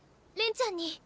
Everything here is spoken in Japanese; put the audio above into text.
恋ちゃんに。